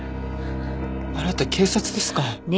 あなた警察ですか。